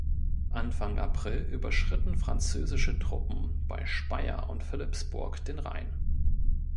Anfang April überschritten französische Truppen bei Speyer und Philippsburg den Rhein.